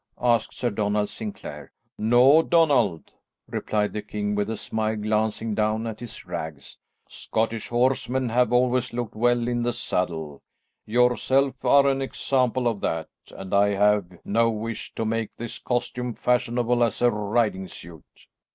asked Sir Donald Sinclair. "No, Donald," replied the king with a smile, glancing down at his rags. "Scottish horsemen have always looked well in the saddle; yourself are an example of that, and I have no wish to make this costume fashionable as a riding suit."